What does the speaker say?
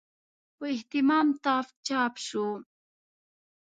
په اهتمام تام چاپ شو.